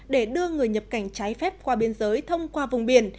để đưa người nhập cảnh trái phép qua biên giới thông qua vùng biển